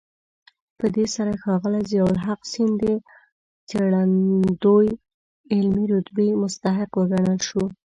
په دې سره ښاغلی ضياءالحق سیند د څېړندوی علمي رتبې مستحق وګڼل شو.